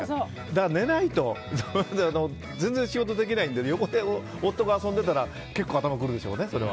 だから寝ないと全然仕事できないので横で夫が遊んでたら結構、頭にくるでしょうね。